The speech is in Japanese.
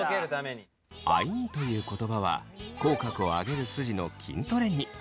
アイーンという言葉は口角を上げる筋の筋トレに。